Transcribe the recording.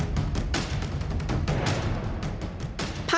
จะร่วมกระบวนกับนายสุริยสัยกตาศีลา